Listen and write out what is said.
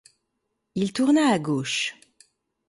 Il tourna à gauche.